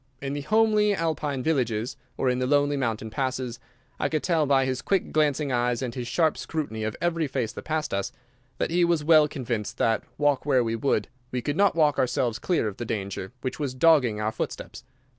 In the homely Alpine villages or in the lonely mountain passes, I could tell by his quick glancing eyes and his sharp scrutiny of every face that passed us, that he was well convinced that, walk where we would, we could not walk ourselves clear of the danger which was dogging our footsteps.